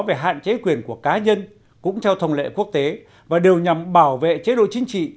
về hạn chế quyền của cá nhân cũng theo thông lệ quốc tế và đều nhằm bảo vệ chế độ chính trị